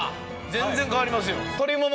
全然変わりますよ。